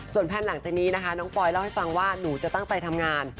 ส่วนแผ่นหลังจากนี้นะคะน้องปอยเล่าให้ฟังว่าหนูจะตั้งใจทำงาน